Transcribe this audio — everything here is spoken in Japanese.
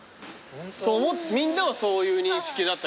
みんなはそういう認識だったけど。